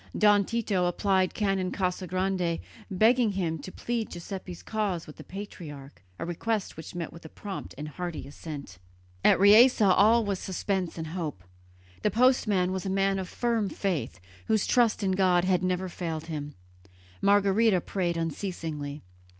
Don Tito applied to Canon Casagrande, begging him to plead Giuseppe's cause with the patriarch, a request which met with a prompt and hearty assent. At Riese all was suspense and hope. The postman was a man of firm faith, whose trust in God had never failed him; Margherita prayed unceasingly.